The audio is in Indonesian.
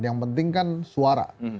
yang penting kan suara